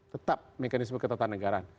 tetap mekanisme ketatanegaraan